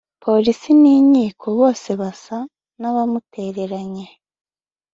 polisi n’inkiko bosa basa n’abamutereranye